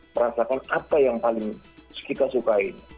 merasakan apa yang paling kita sukain